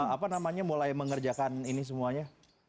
apa namanya mulai mengerjakan ini semuanya